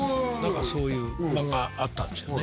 そういう漫画あったんですよね